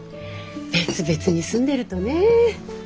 別々に住んでるとねぇ。